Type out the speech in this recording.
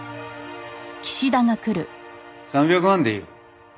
３００万でいいよ。